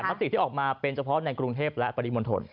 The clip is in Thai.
มติที่ออกมาเป็นเฉพาะในกรุงเทพและปริมณฑล